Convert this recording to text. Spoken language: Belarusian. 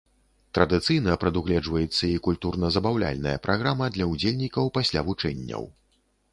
Традыцыйна прадугледжваецца і культурна-забаўляльная праграма для ўдзельнікаў пасля вучэнняў.